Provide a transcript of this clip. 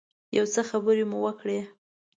یو څه خبرې مو وکړې.